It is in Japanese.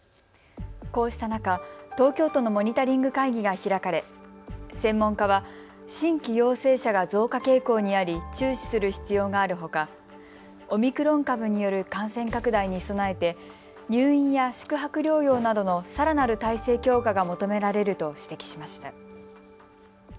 こうした中、東京都のモニタリング会議が開かれ専門家は新規陽性者が増加傾向にあり、注視する必要があるほかオミクロン株による感染拡大に備えて入院や宿泊療養などのさらなる体制強化が求められると指摘しました。